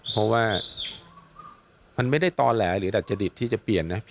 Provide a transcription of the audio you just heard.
เพราะว่ามันไม่ได้ต่อแหลหรือดัจจริตที่จะเปลี่ยนนะ